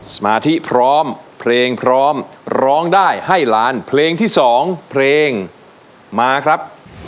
สมาธิพร้อมเพลงพร้อมร้องได้ให้ล้านเพลงที่๒เพลงมาครับ